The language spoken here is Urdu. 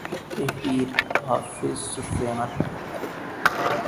تحریر :حافظ صفوان محمد